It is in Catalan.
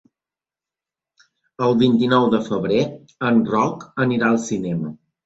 El vint-i-nou de febrer en Roc anirà al cinema.